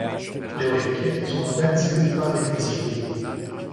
Le orecchie sono ben sviluppate e visibili.